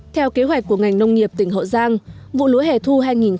theo kế hoạch của ngành nông nghiệp tỉnh hậu giang vụ lúa hẻ thu hai nghìn một mươi tám